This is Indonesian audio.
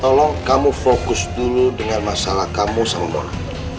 tolong kamu fokus dulu dengan masalah kamu sama orang